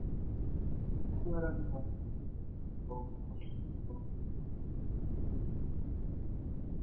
Ne adwaro ni wachiew kapok koth maduong' ochako chue.